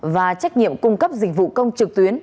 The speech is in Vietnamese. và trách nhiệm cung cấp dịch vụ công trực tuyến